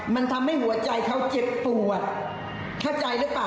มันทำให้หัวใจเขาเจ็บปวด